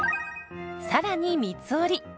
さらに三つ折り。